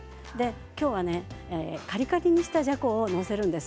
今日はカリカリにしたじゃこを載せるんです。